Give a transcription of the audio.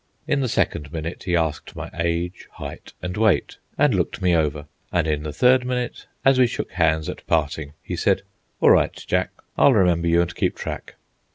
In the second minute he asked my age, height, and weight, and looked me over. And in the third minute, as we shook hands at parting, he said: "All right, Jack. I'll remember you and keep track."